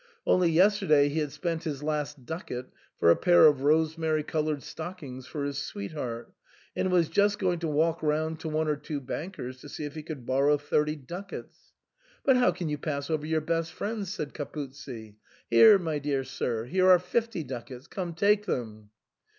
Only yesterday he had spent his last ducat for a pair of rose mary coloured stockings for his sweetheart, and was just going to walk round to one or two bankers to see if he could borrow thirty ducats "" But how can you pass over your best friends ?" said Capuzzi. " Here, my dear sir, here are fifty ducats, come take them."